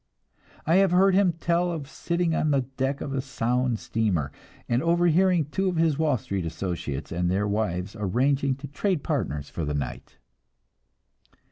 I have heard him tell of sitting on the deck of a Sound steamer, and overhearing two of his Wall Street associates and their wives arranging to trade partners for the night.